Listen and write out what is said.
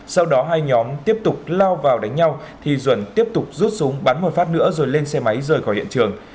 sau đó hai nhóm tiếp tục lao vào đánh nhau thì duẩn tiếp tục rút súng bắn một phát nữa rồi lên xe máy rời khỏi hiện trường